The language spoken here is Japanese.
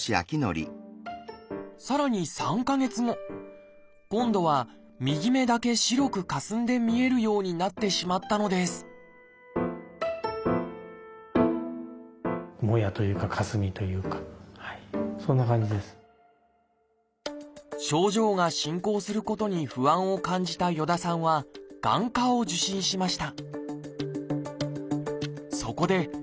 さらに３か月後今度は右目だけ白くかすんで見えるようになってしまったのです症状が進行することに不安を感じた与田さんは眼科を受診しました。